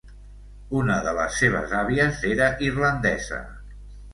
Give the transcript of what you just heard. Una de les seves àvies era irlandesa.